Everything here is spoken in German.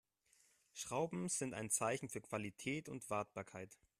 Schrauben sind ein Zeichen für Qualität und Wartbarkeit.